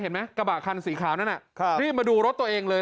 เห็นไหมกระบะคันสีขาวนั่นน่ะรีบมาดูรถตัวเองเลย